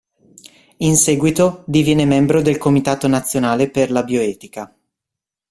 In seguito diviene membro del Comitato nazionale per la bioetica.